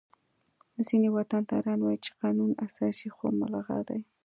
ځینې وطنداران وایي چې قانون اساسي خو ملغا دی